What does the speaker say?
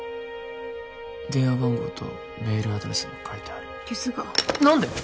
電話番号とメールアドレスも書いてある消すが何で？